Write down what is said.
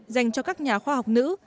dành cho các nhà khoa học nữ